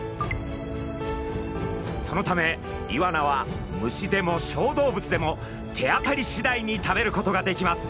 そのためイワナは虫でも小動物でも手当たりしだいに食べることができます。